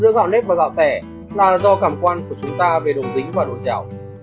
sự khác biệt duy nhất giữa gạo nếp và gạo tẻ là do cảm quan của chúng ta về độ dính và độ dẻo